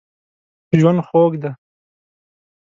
ژوند خوږ دی.